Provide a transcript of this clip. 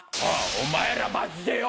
お前らマジでよ。